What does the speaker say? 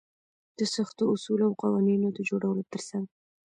د سختو اصولو او قوانينونو د جوړولو تر څنګ.